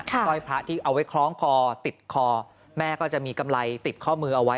สร้อยพระที่เอาไว้คล้องคอติดคอแม่ก็จะมีกำไรติดข้อมือเอาไว้